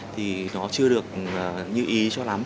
thì nó chưa được như ý cho lắm